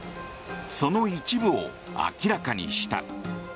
その一部を明らかにした。